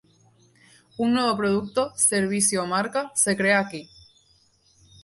Un nuevo producto, servicio o marca se crea aquí.